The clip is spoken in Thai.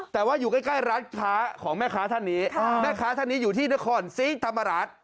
แต่ว่าอยู่ใกล้ร้านค้าของแม่ค้าท่านนี้แม่ค้าท่านนี้อยู่ที่นครศรีธรรมราช